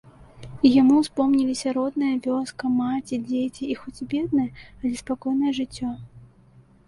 І яму ўспомніліся родная вёска, маці, дзеці і хоць беднае, але спакойнае жыццё.